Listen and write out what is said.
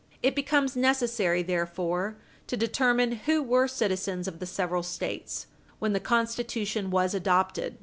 It becomes necessary, therefore, to determine who were citizens of the several States when the Constitution was adopted.